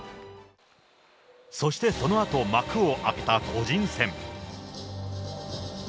そしてそのあと幕を開けた個人戦。